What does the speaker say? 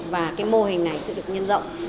và cái mô hình này sẽ được nhân rộng